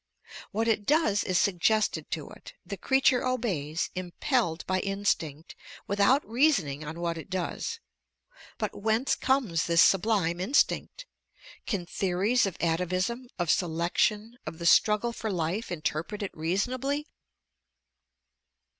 What it does is suggested to it; the creature obeys, impelled by instinct, without reasoning on what it does. But whence comes this sublime instinct? Can theories of atavism, of selection, of the struggle for life, interpret it reasonably?"